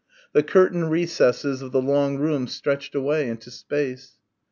The curtained recesses of the long room stretched away into space.